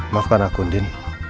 maafkan aku andin